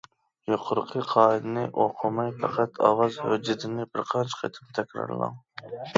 يۇقىرىقى قائىدىنى ئوقۇماي پەقەت ئاۋاز ھۆججىتىنى بىرقانچە قېتىم تەكرارلاڭ.